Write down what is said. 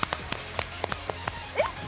えっ？